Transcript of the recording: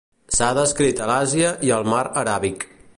S'ha descrit a l'Àsia i al mar aràbic.